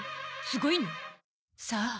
すごいの？さあ？